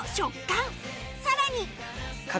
さらに